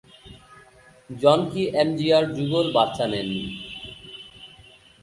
জনকী-এমজিআর যুগল বাচ্চা নেননি।